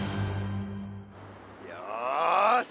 よし！